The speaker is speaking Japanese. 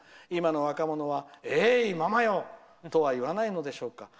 今の若者はええい、ままよ！とは言わないのでしょうか。